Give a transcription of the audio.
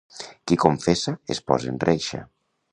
Qui confessa es posa en reixa.